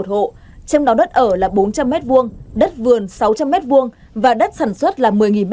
trong đó đất ở là bốn trăm linh m hai đất vườn sáu trăm linh m hai và đất sản xuất là một mươi m hai